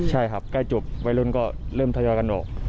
ใช่ครับใกล้จบวัยรุ่นก็เริ่มทยอยกันออก